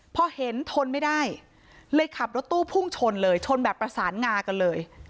พอเห็นทนไม่ได้เลยขับรถตู้พุ่งชนเลยชนแบบประสานงากันเลย